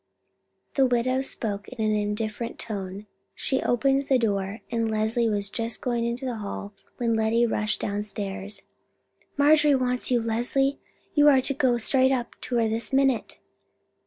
The widow spoke in an indifferent tone. She opened the door, and Leslie was just going into the hall when Lettie rushed downstairs. "Marjorie wants you, Leslie; you are to go straight up to her this minute."